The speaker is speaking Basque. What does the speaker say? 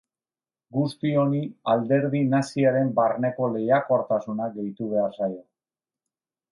Guzti honi alderdi naziaren barneko lehiakortasuna gehitu behar zaio.